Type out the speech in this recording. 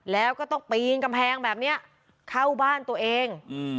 แล้วก็ต้องปีนกำแพงแบบนี้เข้าบ้านตัวเอง